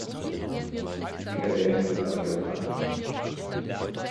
Die Frikadellen sind angebrannt.